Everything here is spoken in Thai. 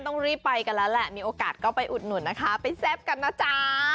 ต้องรีบไปกันแล้วแหละมีโอกาสก็ไปอุดหนุนนะคะไปแซ่บกันนะจ๊ะ